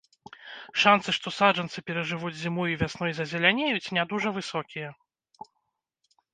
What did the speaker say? Шанцы, што саджанцы перажывуць зіму і вясной зазелянеюць, не дужа высокія.